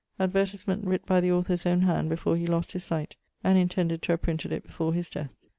Advertisement: 'writt by the author's owne hand before he lost his sight and intended to have printed it before his death.'